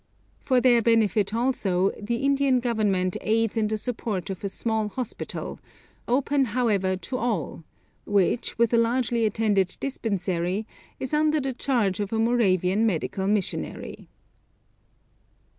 For their benefit also, the Indian Government aids in the support of a small hospital, open, however, to all, which, with a largely attended dispensary, is under the charge of a Moravian medical missionary.